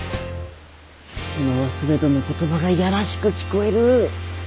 今は全ての言葉がいやらしく聞こえる。